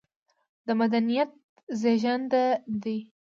د مدنيت زېږنده دى